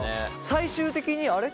最終的にあれ？